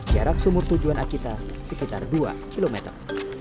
jarak sumur tujuan akita sekitar dua kilometer